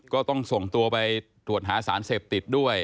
ก็ต้องส่งตัวไปตรวจหาสารเสพติดด้วย